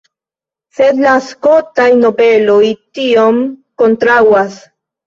Sed la skotaj nobeloj tion kontraŭas.